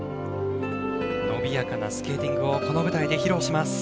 伸びやかなスケーティングをこの舞台で披露します。